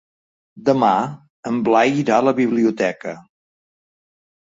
Demà en Blai irà a la biblioteca.